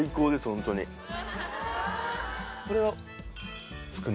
ホントにこれはつくね？